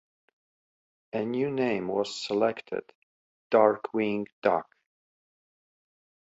A new name was selected, "Darkwing Duck".